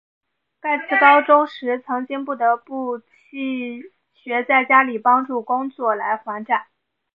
盖茨高中时曾经不得不弃学在家里帮助工作来还债。